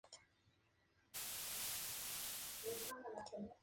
Es similar al álbum sacado por "Dark Funeral In The sign".